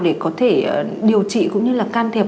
để có thể điều trị cũng như can thiệp